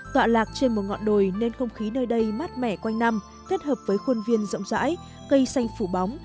tọa lạc trên một ngọn đồi nên không khí nơi đây mát mẻ quanh năm kết hợp với khuôn viên rộng rãi cây xanh phủ bóng